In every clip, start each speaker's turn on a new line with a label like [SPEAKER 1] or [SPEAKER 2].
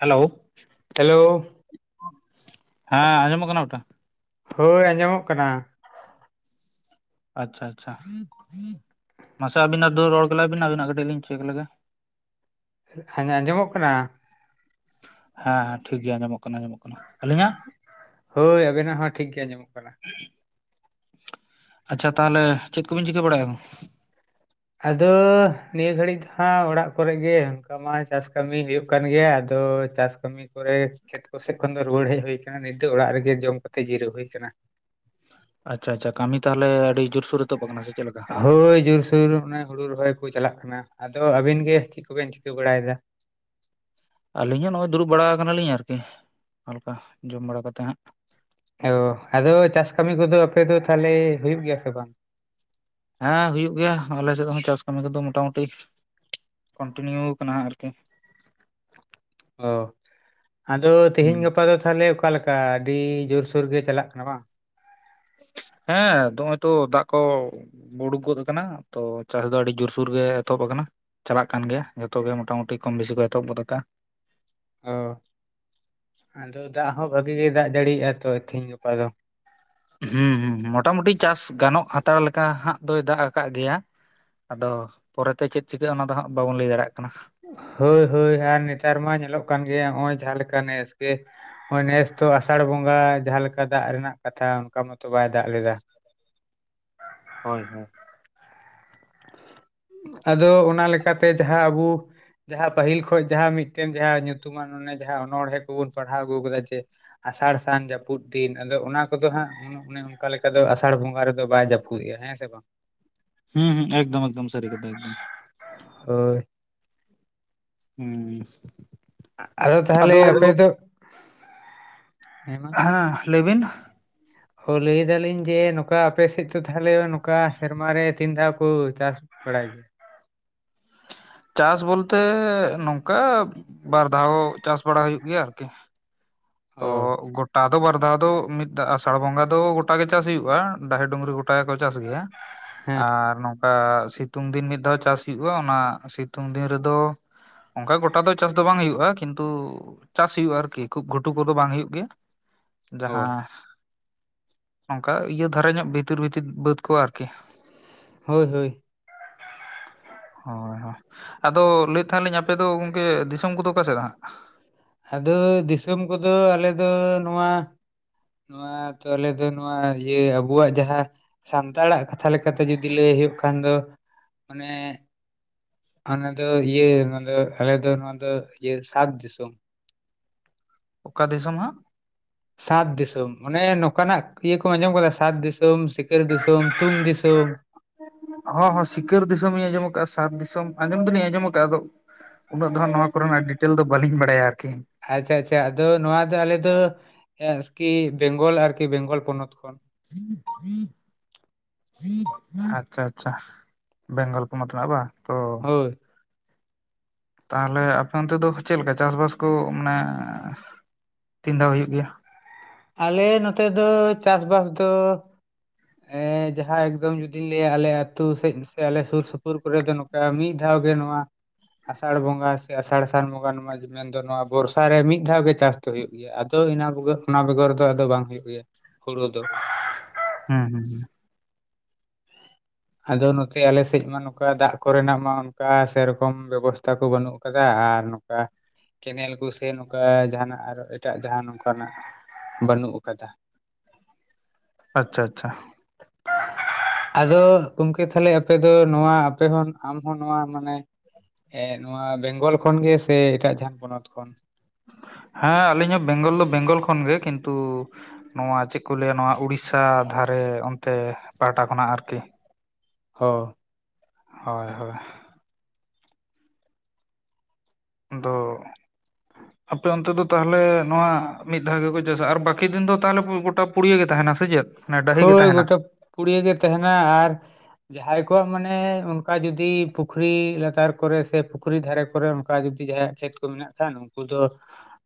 [SPEAKER 1] Hello,
[SPEAKER 2] hello
[SPEAKER 1] ᱦᱮᱸ ᱟᱸᱡᱚᱢᱚᱜ ᱠᱟᱱᱟ ᱜᱚᱴᱟ?
[SPEAKER 2] ᱦᱳᱭ ᱟᱸᱡᱚᱢᱚᱜ ᱠᱟᱱᱟ᱾
[SPEAKER 1] ᱟᱪᱪᱷᱟ ᱟᱪᱪᱷᱟ, ᱢᱟᱥᱮ ᱟᱹᱵᱤᱱᱟᱜ ᱫᱚ ᱨᱚᱲ ᱜᱮᱞᱟᱭ ᱵᱤᱱ, ᱟᱹᱵᱤᱱᱟᱜ ᱠᱟᱹᱴᱤᱡ ᱞᱤᱧ ᱪᱮᱠ ᱞᱮᱜᱮ᱾
[SPEAKER 2] ᱦᱟᱱ ᱟᱸᱡᱚᱢᱚᱜ ᱠᱟᱱᱟ᱾
[SPEAKER 1] ᱦᱮᱸ ᱦᱮᱸ ᱴᱷᱤᱠ ᱜᱮᱭᱟ ᱟᱸᱡᱚᱢᱚᱜ ᱠᱟᱱᱟ ᱟᱸᱟᱢᱚᱜ ᱠᱟᱱᱟ, ᱟᱹᱞᱤᱧᱟᱜ᱾
[SPEAKER 2] ᱦᱳᱭ, ᱟᱵᱮᱱᱟᱜ ᱦᱚᱸ ᱴᱷᱤᱠ ᱜᱮ ᱟᱹᱡᱚᱢᱚᱜ ᱠᱟᱱᱟ᱾
[SPEAKER 1] ᱟᱪᱪᱷᱟ ᱛᱟᱦᱞᱮ ᱪᱮᱫ ᱠᱚᱵᱤᱱ ᱪᱤᱠᱟᱹ ᱵᱟᱲᱟᱭᱟ?
[SPEAKER 2] ᱟᱫᱚ ᱱᱤᱭᱟᱹ ᱜᱷᱟᱹᱲᱤᱡ ᱫᱚ ᱦᱟᱸᱜ ᱚᱲᱟᱜ ᱠᱚᱨᱮ ᱜᱮ, ᱚᱱᱠᱟ ᱢᱟ ᱪᱟᱥ ᱠᱟᱹᱢᱤ ᱦᱩᱭᱩᱜ ᱠᱟᱱ ᱜᱮᱭᱟ ᱟᱫᱚ ᱪᱟᱥ ᱠᱟᱹᱢᱤ ᱠᱚᱨᱮ, ᱠᱷᱮᱛ ᱠᱚ ᱥᱮᱫ ᱠᱷᱚᱱ ᱫᱚ ᱨᱩᱣᱟᱹᱲ ᱦᱮᱡ ᱦᱩᱭ ᱟᱠᱟᱱᱟ ᱱᱤᱛ ᱫᱚ ᱚᱲᱟᱜ ᱨᱮᱜᱮ ᱡᱚᱢ ᱠᱟᱛᱮ ᱡᱤᱨᱟᱹᱜ ᱦᱩᱭ ᱠᱟᱱᱟ᱾
[SPEAKER 1] ᱟᱪᱪᱷᱟ ᱟᱪᱪᱷᱟ, ᱠᱟᱹᱢᱤ ᱛᱟᱦᱚᱞᱮ ᱟᱹᱰᱤ ᱡᱳᱨᱥᱩᱨ ᱮᱛᱚᱦᱚᱵ ᱟᱠᱟᱱᱟ ᱥᱮ ᱪᱮᱞᱠᱟ
[SPEAKER 2] ᱦᱳᱭ ᱡᱩᱨᱥᱩᱨ ᱚᱱᱮ ᱦᱩᱲᱩ ᱨᱚᱦᱚᱭ ᱠᱚ ᱪᱟᱞᱟᱜ ᱠᱟᱱᱟ ᱟᱫᱚ ᱟᱵᱤᱱ ᱜᱮ ᱪᱮᱫ ᱠᱚᱵᱮᱱ ᱪᱤᱠᱟᱹ ᱵᱟᱲᱟᱭᱫᱟ?
[SPEAKER 1] ᱟᱹᱞᱤᱧ ᱦᱚᱸ ᱱᱚᱜ-ᱚᱭ ᱫᱩᱲᱩᱵ ᱵᱟᱲᱟ ᱟᱠᱟᱱᱟᱞᱤᱧ ᱟᱨᱠᱤ, ᱦᱟᱞᱠᱟ ᱡᱚᱢ ᱵᱟᱲᱟ ᱠᱟᱛᱮᱜ ᱦᱟᱸᱜ᱾
[SPEAKER 2] [unintelligible] ᱟᱫᱚ ᱪᱟᱥ ᱠᱟᱹᱢᱤ ᱠᱚᱫᱚ ᱟᱯᱮ ᱫᱚ ᱛᱟᱦᱚᱞᱮ ᱦᱩᱭᱩᱜ ᱜᱮᱭᱟ ᱥᱮ ᱵᱟᱝ?
[SPEAKER 1] ᱦᱮᱸ ᱦᱩᱭᱩᱜ ᱜᱮᱭᱟ, ᱟᱞᱮ ᱥᱮᱫ ᱫᱚ ᱦᱟᱜ ᱪᱟᱥ ᱠᱟᱹᱢᱤ ᱠᱚᱫᱚ ᱢᱳᱴᱟᱢᱩᱴᱤ ᱠᱚᱱᱴᱤᱱᱤᱭᱩ ᱟᱠᱟᱱᱟ ᱦᱟᱜ ᱟᱨᱠᱤ ᱾ [inaudible]
[SPEAKER 2] ᱚ ᱾ [inaudible] ᱟᱫᱚ ᱛᱮᱦᱤᱧ ᱜᱟᱯᱟ ᱫᱚ ᱛᱟᱦᱚᱞᱮ ᱚᱠᱟ ᱞᱮᱠ ᱠᱟ ᱟᱹᱰᱤ ᱡᱳᱨᱥᱳᱨ ᱜᱮ ᱪᱟᱞᱟᱜ ᱠᱟᱱᱟ ᱵᱟᱝ?
[SPEAKER 1] ᱦᱮᱸ ᱱᱚᱜ-ᱚᱭ ᱛᱚ ᱫᱟᱜ ᱠᱚ ᱩᱲᱩᱠᱜᱚᱫ ᱟᱠᱟᱱᱟ, ᱛᱚ ᱪᱟᱥ ᱫᱚ ᱟᱹᱰᱤ ᱡᱳᱨᱥᱳᱨ ᱜᱮ ᱮᱛᱚᱦᱚᱵ ᱟᱠᱟᱱᱟ ᱾ ᱪᱟᱞᱟᱜ ᱠᱟᱱ ᱜᱮᱭᱟ ᱡᱚᱛᱚ ᱜᱮ ᱢᱚᱴᱟᱢᱩᱴᱤ ᱠᱚᱢ ᱵᱮᱥᱤ ᱠᱚ ᱮᱛᱚᱦᱚᱵ ᱜᱚᱫ ᱟᱠᱟᱜ-ᱟ ᱾
[SPEAKER 2] ᱚ ᱾ [inaudible] ᱟᱫᱚ ᱫᱟᱜ ᱦᱚᱸ ᱵᱷᱟᱜᱤ ᱜᱮ ᱫᱟᱜ ᱡᱟᱲᱤᱭᱮᱜ-ᱟ ᱛᱚ ᱛᱮᱦᱮᱧ ᱜᱟᱯᱟ ᱫᱚ ᱾
[SPEAKER 1] ᱦᱩᱸ ᱦᱩᱸ, ᱢᱚᱴᱟ ᱢᱩᱴᱤ ᱪᱟᱥ ᱜᱟᱱᱚᱜ ᱦᱟᱛᱟᱲ ᱞᱮᱠᱟ ᱦᱟᱸᱜ ᱫᱚᱭ ᱫᱟᱜ ᱟᱠᱟᱫ ᱜᱮᱭᱟ ᱾ ᱟᱫᱚ ᱯᱚᱨᱮ ᱛᱮ ᱪᱮᱫ ᱪᱤᱠᱟᱹᱜ-ᱟ ᱚᱱᱟ ᱫᱚ ᱦᱟᱸᱜ ᱵᱟᱵᱚᱱ ᱞᱟᱹᱭ ᱫᱟᱲᱮᱭᱟᱜ ᱠᱟᱱᱟ ᱾
[SPEAKER 2] ᱦᱳᱭ ᱦᱳᱭ ᱟᱨ ᱱᱮᱛᱟᱨ ᱢᱟ ᱧᱮᱞᱚᱜ ᱠᱟᱱ ᱜᱮᱭᱟ ᱱᱚᱜ-ᱚᱭ ᱡᱟᱦᱟᱸ ᱞᱮᱠᱟ ᱱᱮᱥ ᱡᱮ ᱱᱚᱸᱜ-ᱚᱭ ᱱᱮᱥ ᱛᱚ ᱟᱥᱟᱲ ᱵᱚᱸᱜᱟ ᱡᱟᱦᱟᱸ ᱞᱮᱠᱟ ᱫᱟᱜ ᱨᱮᱱᱟᱜ ᱠᱟᱛᱷᱟ ᱚᱱᱠᱟ ᱢᱚᱛᱚ ᱵᱟᱭ ᱫᱟᱜ ᱞᱮᱫᱟ ᱾
[SPEAKER 1] ᱦᱳᱭ ᱦᱳᱭ ᱾
[SPEAKER 2] ᱟᱫᱚ ᱚᱱᱟ ᱞᱮᱠᱟᱛᱮ ᱡᱟᱦᱟᱸ ᱟᱵᱚ ᱡᱟᱦᱟᱸ ᱯᱟᱹᱦᱤᱞ ᱠᱷᱚᱡ ᱡᱟᱦᱟᱸ ᱢᱤᱫᱴᱮᱱ ᱡᱟᱦᱟᱸ ᱧᱩᱛᱩᱢᱟᱱ ᱚᱱᱮ ᱡᱟᱦᱟᱸ ᱚᱱᱚᱲᱦᱮᱸ ᱠᱚᱵᱚᱱ ᱯᱟᱲᱦᱟᱣ ᱟᱹᱜᱩ ᱟᱠᱟᱫᱟ ᱡᱮ ᱟᱥᱟᱲ ᱥᱟᱱ ᱡᱟᱹᱯᱩᱫ ᱫᱤᱱ ᱟᱫᱚ ᱚᱱᱟ ᱠᱚᱫᱚ ᱦᱟᱸᱜ [unintelligible] ᱚᱱᱮ ᱚᱱᱠᱟ ᱞᱮᱠᱟ ᱫᱚ ᱟᱥᱟᱲ ᱵᱚᱸᱜᱟ ᱨᱮᱫᱚ ᱵᱟᱭ ᱡᱟᱹᱯᱩᱫᱮᱜ-ᱟ ᱦᱮᱸ ᱥᱮ ᱵᱟᱝ ᱾
[SPEAKER 1] ᱦᱩᱸ ᱦᱩᱸ ᱮᱠᱫᱚᱢ ᱮᱠᱫᱚᱢ ᱥᱟᱹᱨᱤ ᱠᱟᱛᱷᱟ ᱮᱠᱫᱚᱢ ᱾
[SPEAKER 2] [inaudible] ᱦᱳᱭ ᱾
[SPEAKER 1] ᱦᱩᱸ ᱾ [inaudible]
[SPEAKER 2] ᱟᱫᱚ ᱛᱟᱦᱚᱞᱮ ᱟᱯᱮ ᱫᱚ [inaudible] ᱦᱮᱸ ᱢᱟ
[SPEAKER 1] ᱦᱟᱸ ᱞᱟᱹᱭ ᱵᱤᱱ ᱾
[SPEAKER 2] ᱦᱚᱸ ᱞᱟᱹᱭ ᱮᱫᱟᱞᱤᱧ ᱡᱮ ᱱᱚᱝᱠᱟ ᱟᱯᱮᱥᱮᱫ ᱫᱚ ᱛᱟᱦᱚᱞᱮ ᱱᱚᱝᱠᱟ ᱥᱮᱨᱢᱟ ᱨᱮ ᱛᱤᱱ ᱫᱷᱟᱣ ᱠᱚ ᱪᱟᱥ ᱵᱟᱲᱟᱭ ᱜᱮᱭᱟ?
[SPEAKER 1] ᱪᱟᱥ ᱵᱚᱞᱛᱮ ᱱᱚᱝᱠᱟ ᱵᱟᱨ ᱫᱷᱟᱣ ᱪᱟᱥ ᱵᱟᱲᱟ ᱦᱩᱭᱩᱜ ᱜᱮᱭᱟ ᱟᱨᱠᱤ ᱾ ᱛᱚ
[SPEAKER 2] ᱚ
[SPEAKER 1] ᱜᱚᱴ ᱟ ᱫᱚ ᱵᱟᱨ ᱫᱷᱟᱣ ᱫᱚ ᱢᱤᱫ ᱫᱷᱟ ᱟᱥᱟᱲ ᱵᱚᱸᱜᱟ ᱫᱚ ᱜᱚᱴᱟ ᱜᱮ ᱪᱟᱥ ᱦᱩᱭᱩᱜ-ᱟ, ᱰᱟᱦᱤ ᱰᱩᱝᱨᱤ ᱜᱚᱴᱟ ᱜᱮᱠᱚ ᱪᱟᱥ ᱜᱮᱭᱟ ᱾
[SPEAKER 2] ᱦᱮᱸ
[SPEAKER 1] ᱟᱨ ᱱᱚᱝᱠᱟ ᱥᱤᱛᱩᱝ ᱫᱤᱱ ᱢᱤᱫ ᱫᱷᱟᱣ ᱪᱟᱥ ᱦᱩᱭᱩᱜ-ᱟ ᱾ ᱚᱱᱟ ᱥᱤᱛᱩᱝ ᱫᱤᱱ ᱨᱮᱫᱚ ᱚᱱᱠᱟ ᱜᱚᱴᱟ ᱫᱚ ᱪᱟᱥ ᱫᱚ ᱵᱟᱝ ᱦᱳᱭᱳᱜ-ᱟ, ᱠᱤᱱᱛᱩ ᱪᱟᱥ ᱦᱳᱭᱳᱜ-ᱟ ᱟᱨᱠᱤ ᱠᱷᱩᱵ ᱜᱷᱩ ᱴᱩ ᱠᱚᱫᱚ ᱵᱟᱝ ᱦᱩᱭᱩᱜ ᱜᱮᱭᱟ ᱾ [inaudible]
[SPEAKER 2] ᱦᱮᱸ ᱚ
[SPEAKER 1] ᱡᱟᱦᱟᱸ [inaudible] ᱱᱚᱝᱠᱟ ᱤᱭᱟᱹ ᱫᱷᱟᱨᱟ ᱧᱚᱜ, ᱵᱷᱤᱛᱤᱨ ᱵᱷᱤᱛᱤᱨ ᱵᱟᱹᱫᱽ ᱠᱚ ᱟᱨᱠᱤ ᱾
[SPEAKER 2] ᱦᱳᱭ ᱦᱳᱭ ᱾
[SPEAKER 1] [inaudible] ᱦᱳᱭ ᱦᱳᱭ ᱾ ᱟᱫᱚ ᱞᱟᱹᱭᱮᱫ ᱛᱟᱦᱮᱞᱤᱧ ᱟᱯᱮ ᱫᱚ ᱜᱚᱢᱠᱮ ᱫᱤᱥᱚᱢ ᱠᱚᱫᱚ ᱚᱠᱟᱥᱮᱫ ᱦᱟᱸᱜ?
[SPEAKER 2] ᱟᱫᱚ ᱫᱤᱥᱚᱢ ᱠᱚᱫᱚ ᱟᱞᱮ ᱫᱚ ᱱᱚᱣᱟ ᱱᱚᱣᱟ ᱛᱚ ᱟᱞᱮ ᱫᱚ ᱱᱚᱣᱟ ᱤᱭᱟᱹ ᱟᱵᱚᱣᱟᱜ ᱡᱟᱦᱟ ᱥᱟᱱᱛᱟᱲᱟᱜ ᱠᱟᱛᱷᱟ ᱞᱮᱠᱟᱛᱮ ᱡᱩᱫᱤ ᱞᱟᱹᱭ ᱦᱩᱭᱩᱜ ᱠᱷᱟᱱ ᱫᱚ [inaudible] ᱢᱟᱱᱮ ᱚᱱᱟ ᱫᱚ ᱤᱭᱟᱹ ᱟᱞᱮ ᱫᱚ ᱱᱚᱣᱟ ᱫᱚ ᱤᱭᱟᱹ ᱥᱟᱛ ᱫᱤᱥᱚᱢ ᱾
[SPEAKER 1] ᱚᱠᱟ ᱫᱤᱥᱚᱢᱚᱢ ᱦᱟᱸᱜ?
[SPEAKER 2] ᱥᱟᱛ ᱫᱤᱥᱚᱢ ᱚᱱᱮ ᱱᱚᱝᱠᱟᱱᱟᱜ ᱤᱭᱟᱹ ᱠᱚ ᱟᱸᱡᱚᱢ ᱟᱠᱟᱫᱟ ᱥᱟᱛ ᱫᱤᱥᱚᱢ, ᱥᱤᱠᱟᱹᱨ ᱫᱤᱥᱚᱢ, ᱛᱩᱢ ᱫᱤᱥᱚᱢ ᱾
[SPEAKER 1] ᱦᱚᱸ ᱦᱚᱸ ᱥᱤᱠᱟᱹᱨ ᱫᱤᱥᱚᱢ ᱤᱧ ᱟᱸᱡᱚᱢ ᱟᱠᱟᱫ-ᱟ, ᱥᱟᱫ ᱫᱤᱥᱚᱢ ᱟᱸᱡᱚᱢ ᱫᱤᱱᱤᱧ ᱟᱸᱡᱚᱢ ᱟᱠᱟᱫ-ᱟ ᱟᱫᱚ ᱩᱱᱟᱹᱜ ᱫᱚ ᱦᱟᱸᱜ ᱱᱚᱣᱟ ᱠᱚᱨᱮᱱᱟᱜ ᱰᱤᱴᱮᱞ ᱫᱚ ᱵᱟᱹᱞᱤᱧ ᱵᱟᱲᱟᱭᱟ ᱟᱨᱠᱤ ᱾
[SPEAKER 2] ᱟᱪᱪᱷᱟ ᱟᱪᱪᱷᱟ, ᱟᱫᱚ ᱱᱚᱣᱟ ᱫᱚ ᱟᱞᱮ ᱫᱚ ᱟᱨᱠᱤ ᱵᱮᱝᱜᱚᱞ ᱟᱨᱠᱤ ᱵᱮᱝᱜᱚᱞ ᱯᱚᱱᱚᱛ ᱠᱷᱚᱱ ᱾
[SPEAKER 1] [inaudible] ᱟᱪ-ᱪᱷᱟ ᱟᱪᱪᱷᱟ ᱵᱮᱝᱜᱚᱞ ᱯᱚᱱᱚᱛ ᱨᱮᱱᱟᱜ ᱵᱟ ᱛᱚ
[SPEAKER 2] ᱦᱳᱭ᱾
[SPEAKER 1] ᱛᱟᱦᱞᱮ ᱟᱯᱮ ᱚᱱᱛᱮ ᱫᱚ ᱪᱮᱜ ᱞᱮᱠᱟ ᱪᱟᱥᱵᱟᱥ ᱠᱚ ᱢᱟᱱᱮ ᱛᱤᱱ ᱫᱷᱟᱣ ᱦᱩᱭᱩᱜ ᱜᱮᱭᱟ?
[SPEAKER 2] ᱟᱞᱮ ᱱᱚᱛᱮ ᱫᱚ ᱪᱟᱥᱵᱟᱥ ᱫᱚ ᱮᱸ ᱡᱟᱦᱟ ᱮᱠᱫᱚᱢ ᱡᱩᱫᱤᱧ ᱞᱟᱹᱭᱟ ᱟᱞᱮ ᱟᱛᱩ ᱥᱮᱡ ᱥᱮ ᱟᱞᱮ ᱥᱩᱨ ᱥᱩᱯᱩᱨ ᱠᱚᱨᱮ ᱫᱚ ᱱᱚ ᱠᱟ ᱢᱤᱜ ᱫᱷᱟᱣ ᱜᱮ ᱱᱚᱣᱟ ᱟᱥᱟᱲ ᱵᱚᱸᱜᱟ ᱥᱮ ᱟᱥᱟᱲ ᱥᱟᱱ ᱵᱚᱸᱜᱟ ᱱᱚᱣᱟ ᱡᱮ ᱢᱮᱱᱫᱚ ᱱᱚᱣᱟ ᱵᱚᱨᱥᱟ ᱨᱮ ᱢᱤᱜ ᱫᱷᱟᱣ ᱜᱮ ᱪᱟᱥ ᱫᱚ ᱦᱳᱭᱳᱜ ᱜᱮ ᱭᱟ ᱟᱫᱚ ᱤᱱᱟ ᱵᱮᱜᱚ ᱚᱱᱟ ᱵᱮᱜᱚᱨ ᱫᱚ ᱟᱫᱚ ᱵᱟᱝ ᱦᱩᱭᱩᱜ ᱜᱮᱭᱟ ᱦᱩᱲᱩ ᱫᱚ᱾
[SPEAKER 1] ᱦᱩᱸ ᱦᱩᱸ ᱦᱩᱸ᱾
[SPEAKER 2] ᱟᱫᱚ ᱱᱚᱛᱮ ᱟᱞᱮᱥᱮᱡ ᱢᱟ ᱱᱚᱠᱟ ᱫᱟᱜ ᱠᱚᱨᱮᱱᱟᱜ ᱢᱟ ᱚᱱᱠᱟ ᱥᱮᱨᱚᱠᱚᱢ ᱵᱮᱵᱚᱥᱛᱟ ᱠᱚ ᱵᱟᱹᱱᱩᱜ ᱠᱟᱫᱟ ᱟᱨ ᱠᱟ ᱠᱮᱱᱮᱞ ᱠᱩ ᱥᱮ ᱱᱚᱠᱟ ᱡᱟᱸᱦᱟᱱᱟᱜ ᱟᱨᱚ ᱮᱴᱟᱜ ᱡᱟᱸᱦᱟ ᱱᱚᱝᱠᱟᱱᱟᱜ ᱵᱟᱱᱩᱜ ᱠᱟᱫᱟ᱾
[SPEAKER 1] ᱟᱪ-ᱪᱷᱟ ᱟᱪᱷᱟ᱾
[SPEAKER 2] ᱟᱫᱚ᱾ ᱜᱚᱢᱠᱮ ᱛᱟᱦᱞᱮ ᱟᱯᱮ ᱫᱚ ᱱᱚᱣᱟ ᱟᱯᱮ ᱦᱚᱸ ᱟᱢᱦᱚ ᱱᱚᱣᱟ ᱢᱟᱱᱮ ᱮᱸ ᱱᱚᱣᱟ ᱵᱮᱝᱜᱚᱞ ᱠᱷᱚᱱ ᱜᱮ ᱥᱮ ᱮᱴᱟᱜ ᱡᱟᱸᱦᱟᱱ ᱯᱚᱱᱚᱛ ᱠᱷᱚᱱ?
[SPEAKER 1] ᱦᱮᱸ ᱟᱞᱤᱧ ᱦᱚᱸ ᱵᱮᱝᱜᱚᱞ ᱫᱚ ᱵᱮᱝᱜᱚᱞ ᱠᱷᱚᱱᱜᱮ ᱠᱤᱱᱛᱩ ᱱᱚᱣᱟ ᱪᱮᱜ ᱠᱚ ᱞᱟᱹᱭᱟ ᱱᱚᱣᱟ ᱩᱲᱤᱥᱥᱟ ᱫᱷᱟᱨᱮ ᱚᱱᱛᱮ ᱯᱟᱦᱴᱟ ᱠᱷᱚᱱᱟᱜ ᱟᱨᱠᱤ ᱾
[SPEAKER 2] ᱦᱚᱸ᱾
[SPEAKER 1] ᱦᱚᱭ ᱦᱳᱭ᱾ ᱫᱚ ᱟᱯᱮ ᱚᱱᱛᱮ ᱫᱚ ᱛᱟᱦᱞᱮ ᱱᱚᱣᱟ ᱢᱤᱫ ᱫᱷᱟᱣ ᱜᱮᱠᱚ ᱪᱟᱥᱟ ᱟᱨ ᱵᱟᱠᱤ ᱫᱤᱱ ᱫᱚ ᱛᱟᱦᱞᱮ ᱜᱚᱴᱟ ᱯᱩᱲᱤᱭᱟᱹ ᱜᱮ ᱛᱟᱦᱮᱱᱟ ᱥᱮ ᱪᱮᱫ? ᱰᱟᱹᱦᱤ ᱜᱮ
[SPEAKER 2] ᱦᱳᱭ
[SPEAKER 1] ᱛᱟᱦᱮᱱᱟ
[SPEAKER 2] ᱜᱚᱴᱟ ᱯᱩᱲᱭᱟᱹ ᱜᱮ ᱛᱟᱦᱮᱱᱟ ᱟᱨ ᱡᱟᱸᱦᱟᱭ ᱠᱚᱣᱟᱜ ᱢᱟᱱᱮ ᱚᱱᱠᱟ ᱡᱩᱫᱤ ᱯᱩᱠᱷᱨᱤ ᱞᱟᱛᱟᱨ ᱠᱚᱨᱮ ᱥᱮ ᱯᱩᱠᱷᱨᱤ ᱫᱷᱟᱨᱮ ᱠᱚᱨᱮ ᱚᱱᱠᱟ ᱡᱩᱫᱤ ᱡᱟᱸᱦᱟᱭᱟᱜ ᱠᱷᱮᱛ ᱠᱚ ᱢᱮᱱᱟᱜ ᱠᱷᱟᱱ ᱩᱱᱠᱩ ᱫᱚ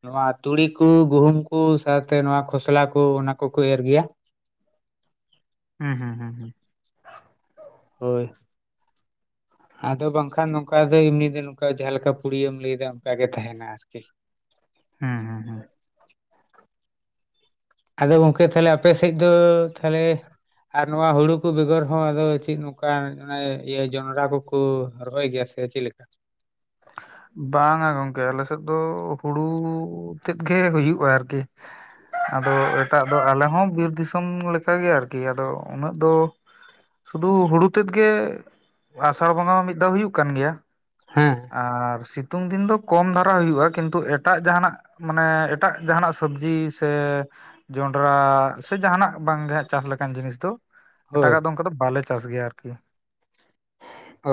[SPEAKER 2] ᱱᱚᱣᱟ ᱛᱩᱲᱤ ᱠᱩ, ᱜᱩᱦᱩᱢ ᱠᱩ, ᱥᱟᱶᱛᱮ ᱱᱚᱣᱟ ᱠᱷᱚᱥᱞᱟ ᱠᱩ ᱚᱱᱟ ᱠᱩᱠᱩ ᱮᱨ ᱜᱮᱭᱟ᱾
[SPEAKER 1] ᱦᱩᱸ ᱦᱩᱸ ᱦᱩᱸ ᱦᱩᱸ᱾
[SPEAKER 2] ᱦᱳᱭ᱾ ᱟᱫᱚ ᱵᱟᱝᱠᱷᱟᱱ ᱱᱚᱝᱠᱟ ᱫᱚ ᱮᱢᱱᱤ ᱫᱚ ᱱᱚᱝᱠᱟ ᱡᱟᱦᱟ ᱞᱮᱠᱟ ᱯᱩᱲᱭᱟᱹᱢ ᱞᱟᱹᱭ ᱫᱟ ᱚᱱᱠᱟ ᱜᱮ ᱛᱟᱦᱮᱱᱟ ᱟᱨᱠᱤ᱾
[SPEAKER 1] ᱦᱩᱸ ᱦᱩᱸ ᱦᱩᱸ᱾
[SPEAKER 2] ᱟᱫᱚ ᱜᱚᱝᱠᱮ ᱛᱟᱦᱞᱮ ᱟᱯᱮ ᱥᱮᱡ ᱫᱚ ᱛᱟᱦᱞᱮ ᱟᱨ ᱱᱚᱣᱟ ᱦᱩᱲᱩ ᱠᱩ ᱵᱮᱜᱚᱨ ᱦᱚᱸ ᱟᱫᱚ ᱪᱮᱜ ᱱᱚᱝᱠᱟ ᱚᱱᱮ ᱤᱭᱟᱹ ᱡᱚᱱᱲᱨᱟ ᱠᱩᱠᱩ ᱨᱚᱦᱚᱭ ᱜᱮᱭᱟ ᱥ ᱮ ᱪᱮᱜ ᱞᱮᱠᱟ?
[SPEAKER 1] ᱵᱟᱝ-ᱟ ᱜᱚᱢᱠᱮ ᱟᱞᱮ ᱥᱮᱫ ᱫᱚ ᱦᱩᱲᱩ ᱛᱮᱫ ᱜᱮ ᱦᱩᱭᱩᱜ-ᱟ ᱟᱨᱠᱤ᱾ ᱟᱫᱚ ᱮᱴᱟᱜ ᱫᱚ ᱟᱞᱮ ᱦᱚᱸ ᱵᱤᱨ ᱫᱤᱥᱚᱢ ᱞᱮᱠᱟ ᱜᱮ ᱟᱨᱠᱤ ᱟᱫᱚ ᱩᱱᱟᱹᱜ ᱫᱚ᱾ ᱥᱩᱫᱷᱩ ᱦᱩᱲᱩ ᱛᱮᱫ ᱜᱮ ᱟᱥᱟᱲ ᱵᱚᱸᱜᱟ ᱢᱟ ᱢᱤᱫ ᱫᱷᱟᱣ ᱦᱩᱭᱩᱜ ᱠᱟᱱ ᱜᱮᱭᱟ᱾
[SPEAKER 2] ᱦᱮᱸ᱾
[SPEAKER 1] ᱟᱨ ᱥᱤᱛᱩᱝ ᱫᱤᱱ ᱫᱚ ᱠᱚᱢ ᱫᱷᱟᱨᱟ ᱦᱩᱭᱩᱜ-ᱟ ᱠᱤᱱᱛᱩ ᱮᱴᱟᱜ ᱡᱟᱸᱦᱟᱱᱟᱜ᱾ ᱢᱟᱱᱮ ᱮᱴᱟᱜ ᱡᱟᱸᱦᱟᱱᱟᱜ ᱥᱚᱵᱽᱡᱤ ᱥᱮ᱾ ᱡᱚᱸᱰᱨᱟ ᱥᱮ ᱡᱟᱦᱱᱟᱜ ᱵᱟᱝᱜᱮ ᱦᱟᱸᱜ ᱪᱟᱥ ᱞᱮᱠᱟᱱ ᱡᱤᱱᱤᱥ ᱫᱚ᱾
[SPEAKER 2] ᱦᱳᱭ
[SPEAKER 1] ᱮᱴᱟᱜᱟᱜ ᱫᱚ ᱚᱱᱠᱟ ᱫᱚ ᱵᱟᱞᱮ ᱪᱟᱥ ᱜᱮᱭᱟ ᱟᱨᱠᱤ᱾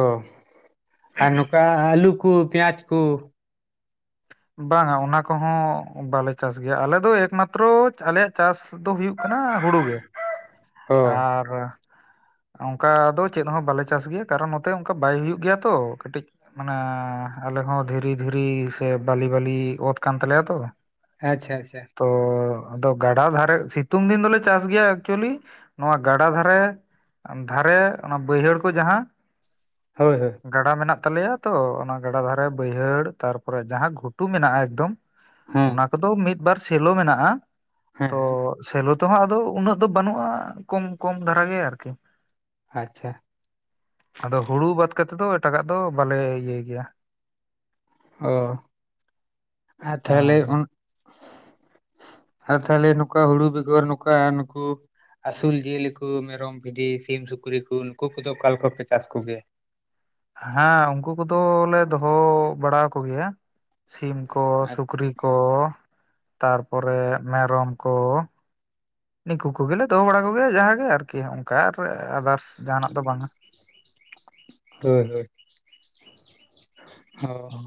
[SPEAKER 2] ᱚ ᱟᱨ ᱱᱚᱠᱟ ᱟᱞᱩ ᱠᱩ ᱯᱮᱭᱟᱡᱽ ᱠᱩ᱾
[SPEAKER 1] ᱵᱟᱝᱟ ᱚᱱᱟ ᱠᱚᱦᱚᱸ ᱵᱟᱞᱮ ᱪᱟᱥ ᱜᱮᱭᱟ ᱟᱞᱮ ᱫᱚ ᱮᱠᱢᱟᱛᱨᱚ ᱟᱞᱮᱭᱟᱜ᱾ ᱪᱟᱥ ᱫᱚ ᱦᱩᱭᱩᱜ ᱠᱟᱱᱟ ᱦᱩᱲᱩ ᱜᱮ
[SPEAKER 2] ᱚ
[SPEAKER 1] ᱟᱨ᱾ ᱚᱝᱠᱟ ᱫᱚ ᱪᱮᱫ ᱦᱚᱸ ᱵᱟᱞᱮ ᱪᱟᱥ ᱜᱮᱭᱟ ᱠᱟᱨᱚᱱ ᱱᱚᱛᱮ ᱚᱱᱠᱟ ᱵᱟᱭ ᱦᱩᱭᱩᱜ ᱜᱮᱭᱟ ᱛᱚ ᱠᱟᱴᱤᱡ᱾ ᱢᱟᱱᱮ ᱟᱞᱮ ᱦᱚᱸ ᱫᱷᱤᱨᱤ ᱫᱷᱤᱨᱤ ᱥᱮ ᱵᱟᱹᱞᱤ ᱵᱟᱹᱞᱤ ᱚᱛ ᱠᱟᱱ ᱛᱟᱞᱮᱭᱟ ᱛᱚ ᱾
[SPEAKER 2] ᱟᱪᱪᱷᱟ ᱟᱪᱪᱷᱟ ᱾
[SPEAKER 1] ᱛᱚ ᱟᱫᱚ ᱜᱟᱰᱟ ᱫᱷᱟᱨᱮ ᱥᱤᱛᱩᱝ ᱫᱤᱱ ᱫᱚᱞᱮ ᱪᱟᱥ ᱜᱮᱭᱟ ᱮᱠᱪᱩᱭᱮᱞᱤ ᱾ ᱱᱚᱣᱟ ᱜᱟᱰᱟ ᱫᱷᱟᱨᱮ ᱫᱷᱟᱨᱮ ᱚᱱᱟ ᱵᱟᱹᱭᱦᱟᱹᱲ ᱠᱚ ᱡᱟᱦᱟᱸ
[SPEAKER 2] ᱦᱳᱭ ᱦᱳᱭ ᱾
[SPEAKER 1] ᱜᱟᱰᱟ ᱢᱮᱱᱟᱜ ᱛᱟᱞᱮᱭᱟ ᱛᱚ ᱚᱱᱟ ᱜᱟᱰᱟ ᱫᱷᱟᱨᱮ ᱵᱟᱹᱭᱦᱟᱹᱲ ᱛᱟᱨᱯᱚᱨᱮ ᱡᱟᱦᱟᱸ ᱜᱷᱩᱴᱩ ᱢᱮᱱᱟᱜᱼᱟ ᱮᱠᱫᱚᱢ
[SPEAKER 2] ᱦᱮᱸ
[SPEAKER 1] ᱚᱱᱟ ᱠᱚᱫᱚ ᱢᱤᱫ ᱵᱟᱨ ᱥᱮᱞᱚ ᱢᱮᱱᱟᱜᱼᱟ,
[SPEAKER 2] ᱦᱮᱸ
[SPEAKER 1] ᱛᱚ
[SPEAKER 2] ᱦᱮᱸ
[SPEAKER 1] ᱥᱮᱞᱚ ᱛᱚ ᱦᱟᱜ ᱟᱫᱚ ᱩᱱᱟᱹᱜ ᱫᱚ ᱵᱟᱹᱱᱩᱜᱼᱟ ᱠᱚᱢ ᱠᱚᱢ ᱫᱷᱟᱨᱟ ᱜᱮ ᱟᱨᱠᱤ ᱾
[SPEAKER 2] ᱟᱪᱪᱷᱟ ᱾
[SPEAKER 1] ᱟᱫᱚ ᱦᱩᱲᱩ ᱵᱟᱫ ᱠᱟᱛᱮᱫ ᱫᱚ ᱮᱴᱟᱜᱟᱜ ᱫᱚ ᱵᱟᱞᱮ ᱤᱭᱟᱹᱭ ᱜᱮᱭᱟ ᱾
[SPEAKER 2] ᱚ, ᱟᱨ ᱛᱟᱦᱚᱞᱮ
[SPEAKER 1] ᱦᱮᱸ ᱦᱮᱸ
[SPEAKER 2] ᱚᱱ ᱟᱫᱚ ᱛᱟᱦᱚᱞᱮ ᱱᱚᱝᱠᱟ ᱦᱩᱲᱩ ᱵᱮᱜᱚᱨ ᱱᱚᱝᱠᱟ ᱱᱩᱠᱩ ᱟᱹᱥᱩᱞ ᱡᱤᱭᱟᱹᱞᱤ ᱠᱚ ᱢᱮᱨᱚᱢ, ᱵᱷᱤᱰᱤ, ᱥᱤᱢ, ᱥᱩᱠᱨᱤ ᱠᱚ ᱱᱩᱠᱩ ᱠᱚᱫᱚ ᱚᱠᱟ ᱞᱮᱠᱟᱯᱮ ᱪᱟᱥ ᱠᱚᱜᱮᱭᱟ?
[SPEAKER 1] ᱦᱮᱸ ᱩᱝᱠᱩ ᱠᱚᱫᱚ ᱞᱮ ᱫᱚᱦᱚᱻ ᱵᱟᱲᱟ ᱠᱚᱜᱮᱭᱟ ᱾ ᱥᱤᱢ ᱠᱚ
[SPEAKER 2] ᱦᱳᱭ
[SPEAKER 1] ᱥᱩᱠᱨᱤ ᱠᱚ ᱛᱟᱨᱯᱚᱨᱮ ᱢᱮᱨᱚᱢ ᱠᱚ ᱾ ᱱᱤᱠᱩ ᱠᱚᱜᱮ ᱞᱮ ᱫᱚᱦᱚ ᱵᱟᱲᱟ ᱠᱚᱜᱮᱭᱟ ᱡᱟᱦᱟ ᱜᱮ ᱟᱨᱠᱤ ᱚᱝᱠᱟ ᱟᱨ ᱟᱫᱟᱨᱥ ᱡᱟᱦᱟᱱᱟᱜ ᱫᱚ ᱵᱟᱝᱟ ᱾
[SPEAKER 2] ᱦᱳᱭ ᱦᱳᱭ, ᱦᱚᱸ ᱾